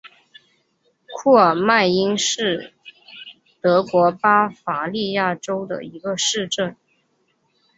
库尔迈因是德国巴伐利亚州的一个市镇。